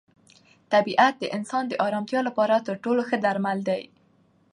طبیعت د انسان د ارامتیا لپاره تر ټولو ښه درمل دی.